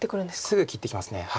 すぐ切ってきます。